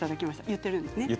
言っているんです。